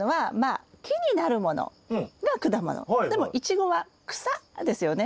でもイチゴは草ですよね。